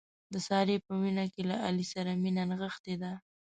د سارې په وینه کې له علي سره مینه نغښتې ده.